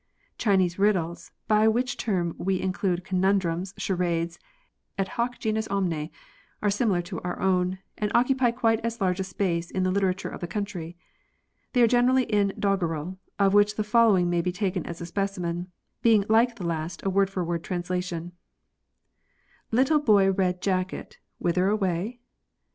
Chinese riddles, by which term we in clude conundrums, charades, et hoc genus omne, are similar to our own, and occupy quite as large a space in the literature of the country. They are generally in doggerel, of which the following may be taken as a specimen, being like the last a word for word trans lation :— Little boy red jacket, whither away